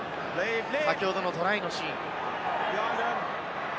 先ほどのトライのシーン。